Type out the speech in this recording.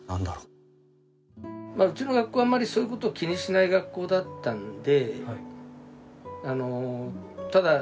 うちの学校はあんまりそういう事を気にしない学校だったので。